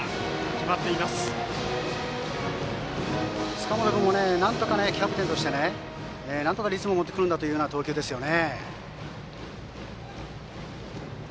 塚本君もキャプテンとしてなんとかリズムを持ってくるんだという投球ですね。